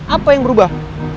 apa yang berubah